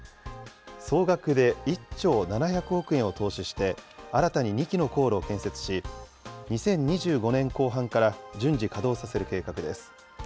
総額で１兆７００億円を投資して、新たに２基の高炉を建設し、２０２５年後半から順次稼働させる計画です。